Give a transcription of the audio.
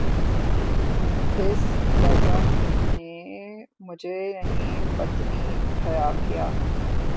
اس بزم میں مجھے نہیں بنتی حیا کیے